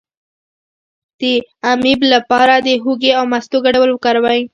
د امیب لپاره د هوږې او مستو ګډول وکاروئ